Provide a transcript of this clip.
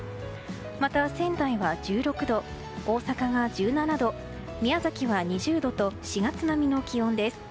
また、仙台は１６度大阪は１７度宮崎は２０度と４月並みの気温です。